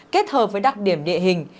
kết hợp với đặc điểm địa hình